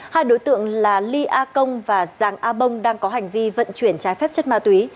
hai đối tượng là ly a công và giàng a bông đang có hành vi vận chuyển trái phép chất ma túy